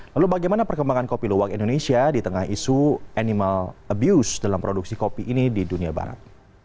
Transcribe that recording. lalu bagaimana perkembangan kopi luwak indonesia di tengah isu animal abuse dalam produksi kopi ini di dunia barat